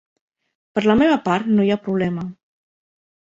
Per la meva part no hi ha problema.